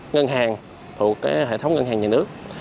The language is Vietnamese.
ngân hàng thuộc hệ thống ngân hàng nhà nước